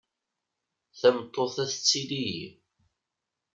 Tameṭṭut-a tettili-yi.